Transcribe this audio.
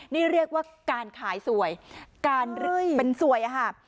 นี่เรียกว่าการขายสวยการเป็นสวยอะค่ะ